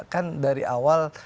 kan dari awal